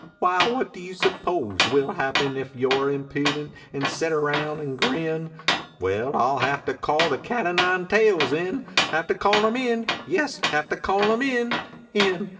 \Vhy ; what do you suppose Will happen if you re impident an set around an grin ? Well, I ll have to call the cat o nine tails in Have to call him in ; yes, have to call him in ; in.